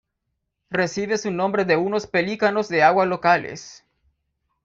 Recibe su nombre de unos pelícanos de agua locales.